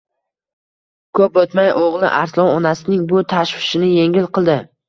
Koʻp oʻtmay oʻgʻli Arslon onasining bu tashvishini yengil qildi.